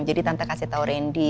jadi tante kasih tau randy